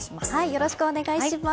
よろしくお願いします。